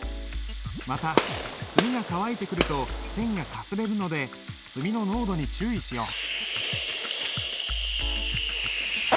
また墨が乾いてくると線がかすれるので墨の濃度に注意しよう。